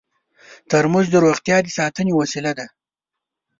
ترموز د روغتیا د ساتنې وسیله ده.